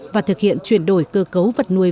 và thực hiện chuyển đổi cơ cấu vật nuôi